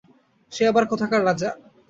সে আবার কোথাকার রাজা?